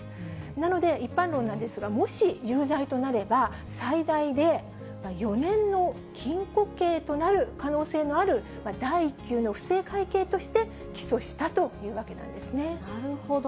なので、一般論なんですが、もし有罪となれば、最大で４年の禁錮刑となる可能性のある、第１級の不正会計として、なるほど。